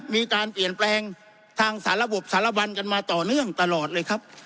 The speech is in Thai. มีการเปลี่ยนแปลงทางสารบสารบันกันมาต่อเนื่องตลอดเลยครับ